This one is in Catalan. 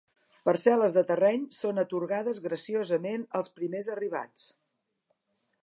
Parcel·les de terreny són atorgades graciosament als primers arribats.